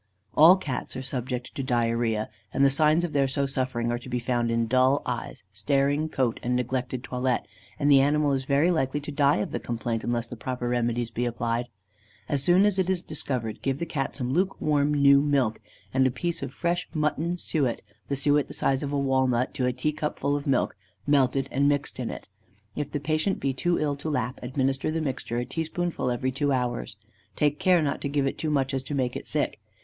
All cats are subject to diarrhœa, and the signs of their so suffering are to be found in dull eyes, staring coat and neglected toilet, and the animal is very likely to die of the complaint unless the proper remedies be applied. As soon as it is discovered, give the Cat some luke warm new milk, with a piece of fresh mutton suet (the suet the size of a walnut to a teacupful of milk) melted, and mixed in it. If the patient be too ill to lap, administer the mixture a teaspoonful every two hours. Take care not to give it too much so as to make it sick.